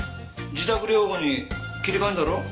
自宅療法に切り替えんだろ？